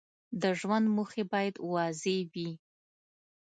د ژوند موخې باید واضح وي.